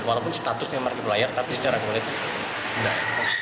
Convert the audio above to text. walaupun statusnya markiplier tapi secara kualitas tidak